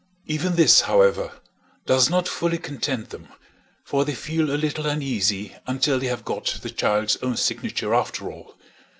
Even this, however, does not fully content them, for they feel a little uneasy until they have got the child's own signature after all.